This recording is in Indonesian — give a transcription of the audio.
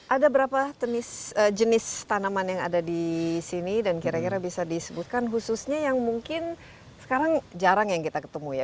ada berapa jenis tanaman yang ada di sini dan kira kira bisa disebutkan khususnya yang mungkin sekarang jarang yang kita ketemu ya